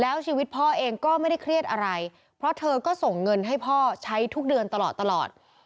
แล้วชีวิตพ่อเองก็ไม่ได้เครียดอะไรเพราะเธอก็ส่งเงินให้พ่อใช้ทุกเดือนตลอดตลอด